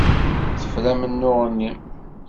Tefra amennuɣ-nni.